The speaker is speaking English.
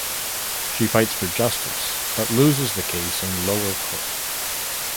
She fights for justice but loses the case in lower court.